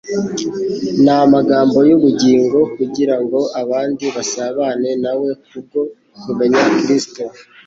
n'amagambo y'ubugingo, kugira ngo abandi basabane na we ku bwo kumenya Kristo.